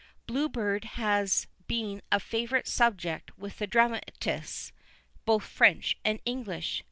Blue Beard has been a favourite subject with the dramatists, both French and English.